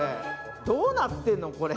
どうなってるの、これ。